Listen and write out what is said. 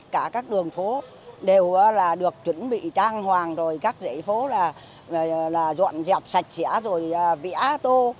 cả các đường phố đều là được chuẩn bị trang hoàng rồi các dãy phố là dọn dẹp sạch sẽ rồi vẽ tô